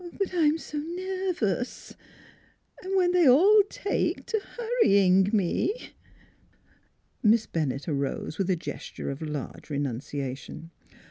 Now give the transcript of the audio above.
" But I'm s' nervous an' when they all take to hurrying me " Miss Bennett arose with a gesture of large re nunciation.